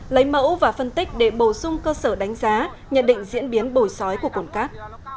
lấy mẫu và phân tích để bổ sung cơ sở đánh giá nhận định diễn biến bồi sói của cồn cát